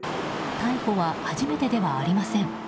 逮捕は初めてではありません。